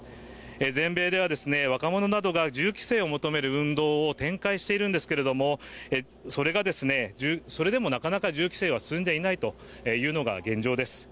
全米では若者などが銃規制を求める運動を展開しているんですけれどもそれでもなかなか銃規制は進んでいないというのが現状です。